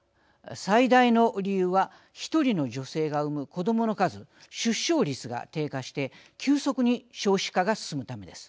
最大の理由は１人の女性が産む子どもの数、出生率が低下して急速に少子化が進むためです。